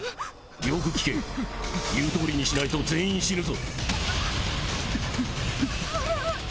よく聞け言う通りにしないと全員死ぬぞ。